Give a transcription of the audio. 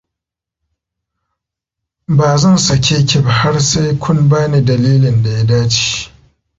Ba zan sake ki ba har sai kun ba ni dalilin da ya dace.